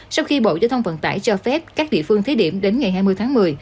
sau khi bộ giao thông vận tải cho phép các địa phương thí điểm đến ngày hai mươi tháng một mươi